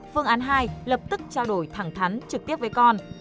phương án hai lập tức trao đổi thẳng thắn trực tiếp với con